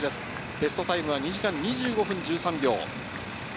ベストタイムは２時間２５分１３秒。